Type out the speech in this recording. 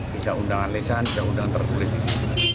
bisa undangan lesahan bisa undangan termuridisi